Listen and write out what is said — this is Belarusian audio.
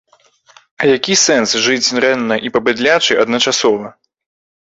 А які сэнс жыць дрэнна і па-быдлячы адначасова?